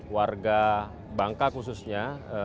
warga bangka khususnya